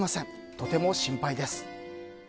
とても心配です。